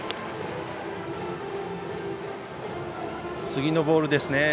次のボールですね。